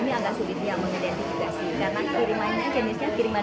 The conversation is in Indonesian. biasanya kiriman biasa tanpa resipi penerima